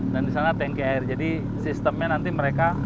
dan di sana tanki air jadi sistemnya nanti mereka